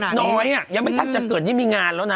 แล้วเด็กน้อยอะยังไม่ทัดจะเกิดที่มีงานแล้วนะ